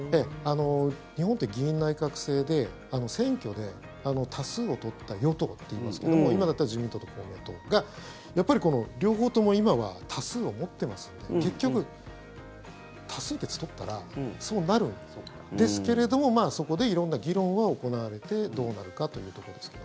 日本って議院内閣制で選挙で多数を取った与党って言いますけども今だったら自民党と公明党がやっぱり両方とも今は多数を持ってますので結局、多数決取ったらそうなるんですけれどもそこで色んな議論は行われてどうなるかというところですが。